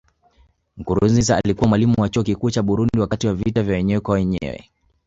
Nkurunziza alikuwa mwalimu wa Chuo Kikuu cha Burundi wakati vita ya wenyewe kwa wenyewe